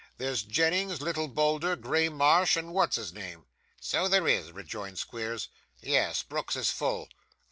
'There's Jennings, little Bolder, Graymarsh, and what's his name.' 'So there is,' rejoined Squeers. 'Yes! Brooks is full.